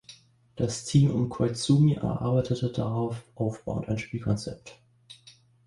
Das Team um Koizumi erarbeitete darauf aufbauend ein Spielkonzept.